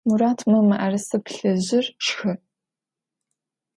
Murat, mı mı'erıse plhıjır şşxı!